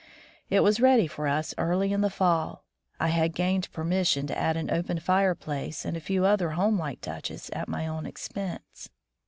It was ready for us early in the fall. I had gained permission to add an open fireplace and a few other homelike touches at my own expense.